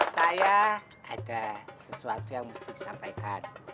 saya ada sesuatu yang mesti disampaikan